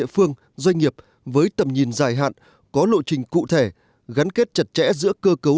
địa phương doanh nghiệp với tầm nhìn dài hạn có lộ trình cụ thể gắn kết chặt chẽ giữa cơ cấu